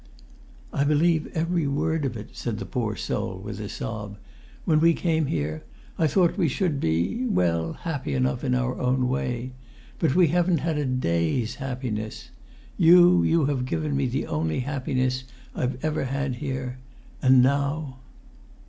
"I believe every word of it," said the poor soul with a sob. "When we came here I thought we should be well, happy enough in our way. But we haven't had a day's happiness. You, you have given me the only happiness I've ever had here, and now...."